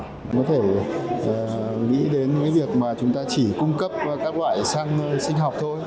có thể nghĩ đến cái việc mà chúng ta chỉ cung cấp các loại xăng sinh học thôi